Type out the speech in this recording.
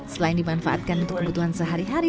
selain dimanfaatkan untuk kebutuhan sehari hari